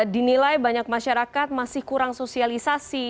dinilai banyak masyarakat masih kurang sosialisasi